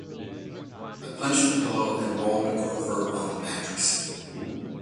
I punched a pillow and rolled over on the mattress.